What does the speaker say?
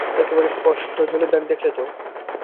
একেবারে স্পষ্ট জলের দাগ দেখলে তো?